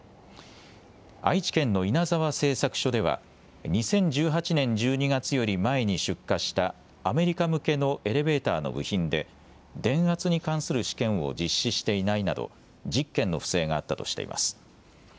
愛知県の稲沢製作所では２０１８年１２月より前に出荷したアメリカ向けのエレベーターの部品で電圧に関する試験を実施していないなど１０件の不正があったとしています。